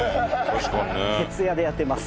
徹夜でやってます。